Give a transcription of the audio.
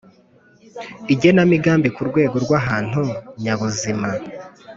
Igenamigambi ku rwego rw ahantu nyabuzima